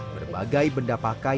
berbagai benda pakai